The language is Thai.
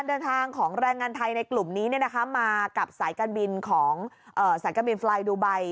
เดินทางของแรงงานไทยในกลุ่มนี้มากับสายการบินของสายการบินไฟล์ดูไบ